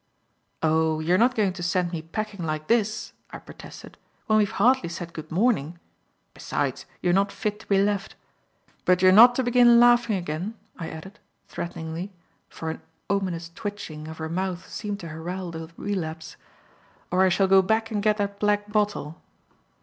"Oh, you're not going to send me packing like this," I protested, "when we've hardly said good morning. Besides, you're not fit to be left. But you're not to begin laughing again," I added, threateningly, for an ominous twitching of her mouth seemed to herald a relapse, "or I shall go back and get that black bottle."